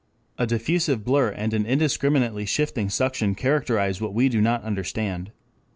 A diffusive blur and an indiscriminately shifting suction characterize what we do not understand.